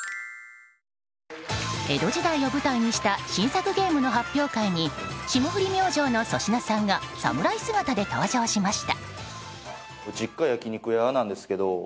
江戸時代を舞台にした新作ゲームの発表会に霜降り明星の粗品さんが侍姿で登場しました。